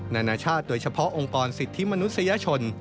นานาชาติโดยเฉพาะองค์กรสิทธิมนุษยชน